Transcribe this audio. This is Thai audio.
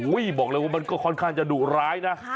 บอกเลยว่ามันก็ค่อนข้างจะดุร้ายนะ